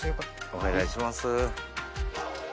お願いします。